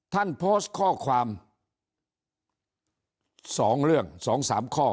ท่านโพสต์ข้อความสองเรื่องสองสามข้อ